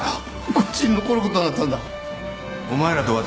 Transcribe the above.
こっちに残ることになったんだ。